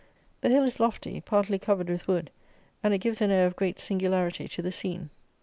The hill is lofty, partly covered with wood, and it gives an air of great singularity to the scene.